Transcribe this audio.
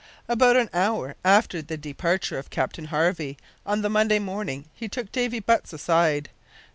About an hour after the departure of Captain Harvey on the Monday morning he took Davy Butts aside.